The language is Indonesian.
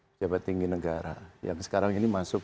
pejabat tinggi negara yang sekarang ini masuk